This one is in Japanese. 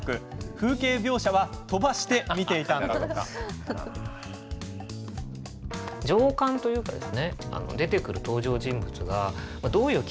風景描写は飛ばして見ていたそうです。